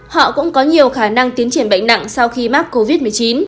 họ cũng có nhiều khả năng tiến triển bệnh nặng sau khi mắc covid một mươi chín